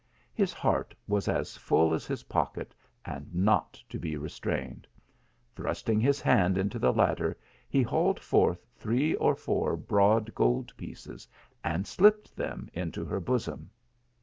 His heart was as full as his pocket, and not to be restrained. Thrusting his hand into the latter he hauled forth three or four broad gold pieces and slipped them into her bosom.